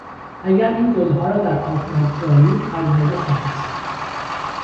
اگر این گلها را در آب نگذاری پژمرده خواهند شد.